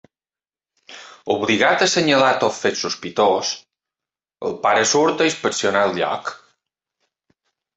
Obligat a assenyalar tot fet sospitós, el pare surt a inspeccionar el lloc.